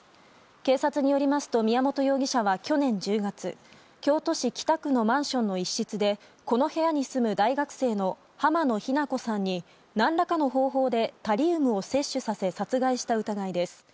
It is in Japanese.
警察によりますと宮本容疑者は去年１０月京都市北区のマンションの一室でこの部屋に住む大学生の浜野日菜子さんに何らかの方法でタリウムを摂取させ殺害した疑いです。